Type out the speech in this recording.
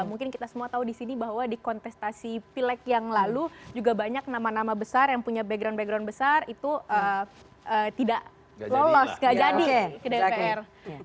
mungkin kita semua tahu di sini bahwa di kontestasi pilek yang lalu juga banyak nama nama besar yang punya background background besar itu tidak lolos gak jadi ke dpr